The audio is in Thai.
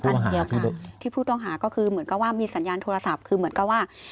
อันเดียวค่ะที่ผู้ต้องหาก็คือเหมือนกับว่ามีสัญญาณโทรศัพท์คือเหมือนกับว่า